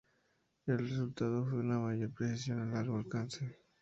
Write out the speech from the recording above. El resultado fue una mayor precisión a largo alcance.